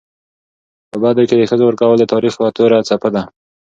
په بدو کي د ښځو ورکول د تاریخ یوه توره څپه ده.